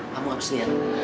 kamu harus lihat